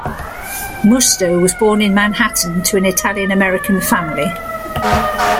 Musto was born in Manhattan to an Italian American family.